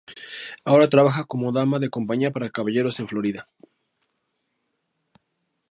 Ahora trabaja como dama de compañía para caballeros en Florida.